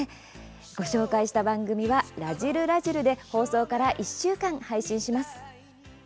ご紹介した番組は「らじる★らじる」で放送から１週間、配信します。